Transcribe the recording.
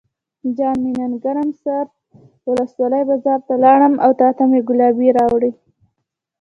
جان مې نن ګرم سر ولسوالۍ بازار ته لاړم او تاته مې ګلابي راوړې.